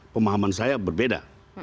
pemahaman saya berbeda